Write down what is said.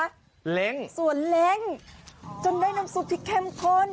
ส่วนเล็งส่วนเล็งจนได้น้ำซุปพริกเข้มข้น